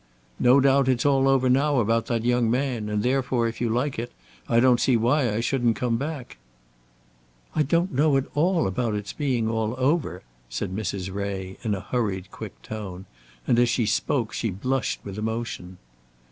"No doubt it's all over now about that young man, and therefore, if you like it, I don't see why I shouldn't come back." "I don't at all know about it's being all over," said Mrs. Ray, in a hurried quick tone, and as she spoke she blushed with emotion.